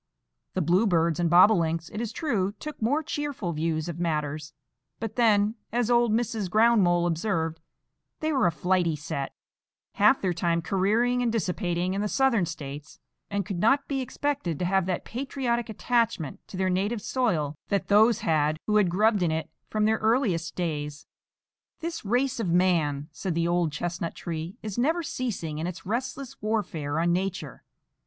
The bluebirds and bobolinks, it is true, took more cheerful views of matters; but then, as old Mrs. Ground mole observed, they were a flighty set,—half their time careering and dissipating in the Southern States,—and could not be expected to have that patriotic attachment to their native soil that those had who had grubbed in it from their earliest days. "This race of man," said the old chestnut tree, "is never ceasing in its restless warfare on Nature.